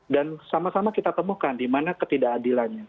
dan sama sama kita temukan di mana ketidakadilannya